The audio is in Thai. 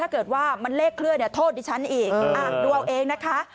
ถ้าเกิดว่ามันเลขเคลื่อนโทษดิฉันอีกดูเอาเองนะคะ